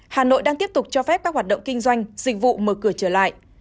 hà nội đang tiếp tục cho phép các hoạt động kinh doanh dịch vụ mở cửa trở lại